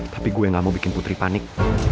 tapi gue gak mau bikin putri panik